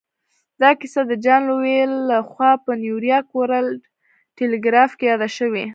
دا کیسه د جان لویل لهخوا په نیویارک ورلډ ټیليګراف کې یاده شوې